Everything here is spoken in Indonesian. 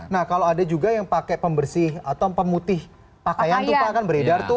nah kalau ada juga yang pakai pembersih atau pemutih pakaian tuh pak akan beredar tuh